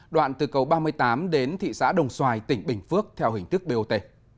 đoạn từ cầu ba mươi tám đến thị xã đồng xoài tỉnh bình phước theo hình thức bot